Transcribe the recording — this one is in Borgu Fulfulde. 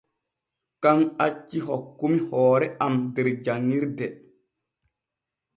Kan acci hokkumi hoore am der janŋirde.